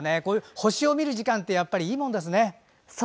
星を見る時間ってやっぱりいいもんですね。